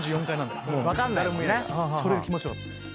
それが気持ち良かったですね。